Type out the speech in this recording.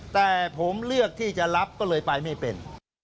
แต่ผมเลือกที่จะรับก็เลยไปไม่เป็น